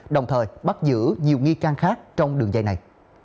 đồng thời bắt giữ nhiều nghi can khác trong đường dây này